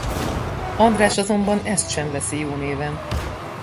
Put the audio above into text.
András azonban ezt sem veszi jó néven.